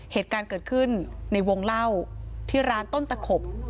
เหตุการณ์เกิดขึ้นในวงเล่าที่ร้านต้นตะขบ